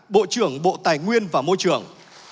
bộ trưởng bộ tài nguyên và môi trường